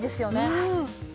うん。